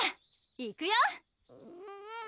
行くよ！